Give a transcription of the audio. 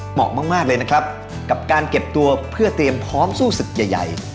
เหมาะมากเลยนะครับกับการเก็บตัวเพื่อเตรียมพร้อมสู้ศึกใหญ่